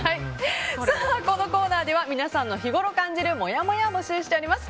このコーナーでは皆さんの日ごろ感じるもやもやを募集しております。